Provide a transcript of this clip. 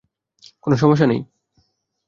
কোনো সমস্যা নেই।